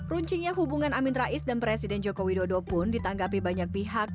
runcinya hubungan amin rais dan presiden jokowi dodo pun ditanggapi banyak pihak